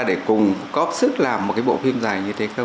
để cùng có sức làm một cái bộ phim dài như thế